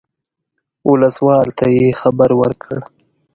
اوسلوال ته یې خبر ورکړ.